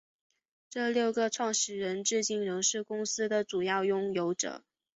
这六个创始人至今仍是公司的主要拥有者。